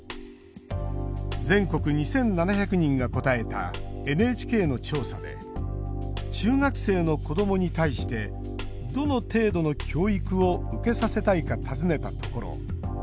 全国２７００人が答えたＮＨＫの調査で中学生の子どもに対してどの程度の教育を受けさせたいか尋ねたところ。